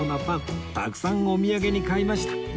たくさんお土産に買いました